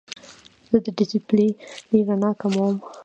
زه د ډیسپلې رڼا کموم.